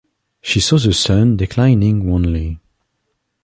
She saw the sun declining wanly.